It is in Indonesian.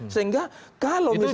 sehingga kalau misalnya